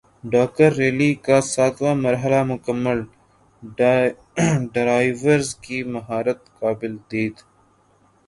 Dakar Rally کا ساتواں مرحلہ مکمل ڈرائیورز کی مہارت قابل دید